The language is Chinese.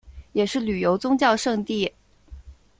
也是旅游宗教胜地。